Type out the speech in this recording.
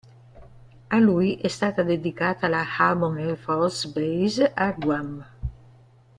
A lui è stata dedicata la Harmon Air Force Base, a Guam.